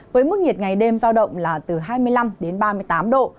với mức nhiệt ngày đêm giao động là từ hai mươi năm đến ba mươi tám độ